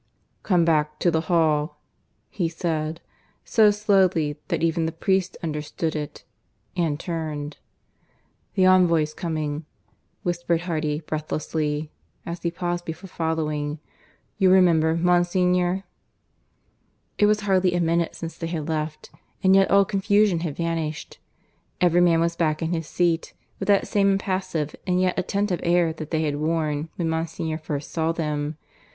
"Come back to the hall," he said, so slowly that even the priest understood it, and turned. "The envoy's coming," whispered Hardy breathlessly, as he paused before following. "You'll remember, Monsignor? ..." It was hardly a minute since they had left, and yet all confusion had vanished. Every man was back in his seat, with that same impassive and yet attentive air that they had worn when Monsignor first saw them.